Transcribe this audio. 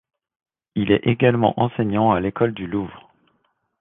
Il est également enseignant à l'École du Louvre.